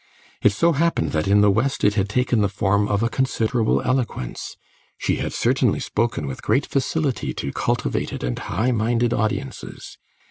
It so happened that in the West it had taken the form of a considerable eloquence. She had certainly spoken with great facility to cultivated and high minded audiences.